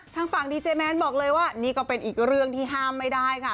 ทางฝั่งดีเจแมนบอกเลยว่านี่ก็เป็นอีกเรื่องที่ห้ามไม่ได้ค่ะ